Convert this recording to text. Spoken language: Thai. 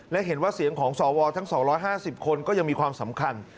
และเห็นว่าเสียงของสวทั้ง๒๕๐คนก็ยังมีความสำคัญ